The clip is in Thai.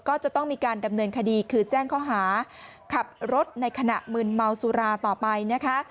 ก็จะต้องมีการดำเนินคดีคือแจ้งข้อหาขับรถในขณะมึนเมาสุราต่อไปนะคะ